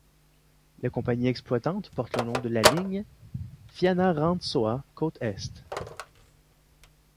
La compagnie exploitante porte le nom de la ligne, Fianarantsoa Côte Est.